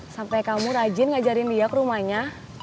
sampai kamu rajin ngajarin dia ke rumahnya